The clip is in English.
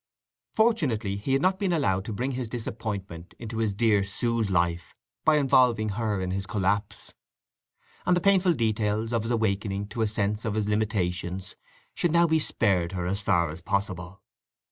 Fortunately he had not been allowed to bring his disappointment into his dear Sue's life by involving her in this collapse. And the painful details of his awakening to a sense of his limitations should now be spared her as far as possible.